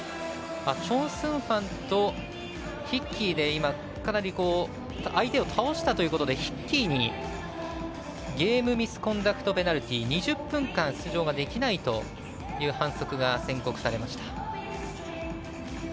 チョン・スンファンとヒッキーでかなり相手を倒したということでヒッキーにゲームミスコンダクトペナルティー２０分間出場ができないという反則が宣告されました。